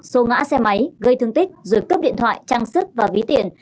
xô ngã xe máy gây thương tích rồi cướp điện thoại trang sức và ví tiền